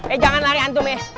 eh jangan lari antum ya